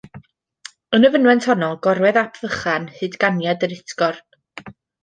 Yn y fynwent honno gorwedd Ap Vychan hyd ganiad yr utgorn.